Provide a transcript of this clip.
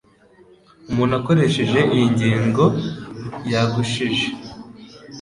umuntu akoresheje iyi ngingo. Yagushije